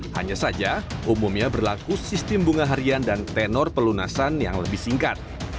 hanya saja umumnya berlaku sistem bunga harian dan tenor pelunasan yang lebih singkat